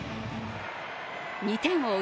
２点を追う